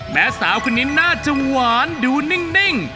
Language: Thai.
สาวคนนี้น่าจะหวานดูนิ่ง